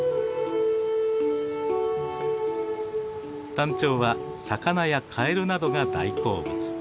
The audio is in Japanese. タンチョウは魚やカエルなどが大好物。